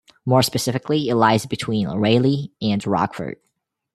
More specifically it lies between Rayleigh and Rochford.